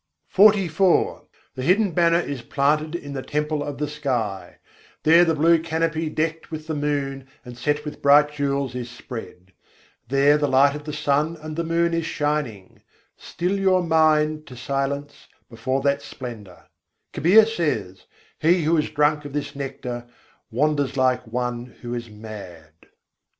XLIV I. 93. gagan math gaib nisân gade The Hidden Banner is planted in the temple of the sky; there the blue canopy decked with the moon and set with bright jewels is spread. There the light of the sun and the moon is shining: still your mind to silence before that splendour. Kabîr says: "He who has drunk of this nectar, wanders like one who is mad."